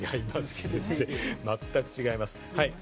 全く違います。